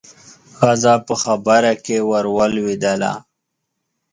ښځه په خبره کې ورولوېدله.